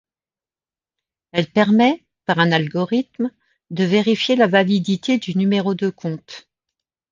Elle permet, par un algorithme, de vérifier la validité du numéro de compte.